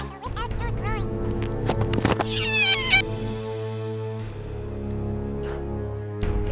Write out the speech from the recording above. saya mau ke rumah